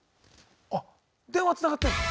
あ電話つながってんの？